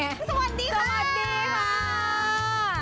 สวัสดีค่ะ